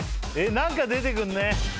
何か出てくるね。